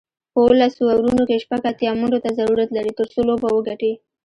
په اوولس اورونو کې شپږ اتیا منډو ته ضرورت لري، ترڅو لوبه وګټي